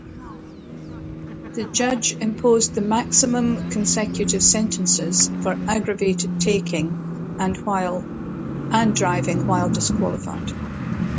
The judge imposed the maximum consecutive sentences for aggravated taking and driving while disqualified.